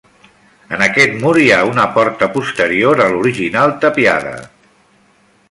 En aquest mur hi ha una porta posterior a l'original tapiada.